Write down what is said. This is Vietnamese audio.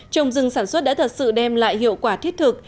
trồng rừng sản xuất đã thật sự đem lại hiệu quả thiết thực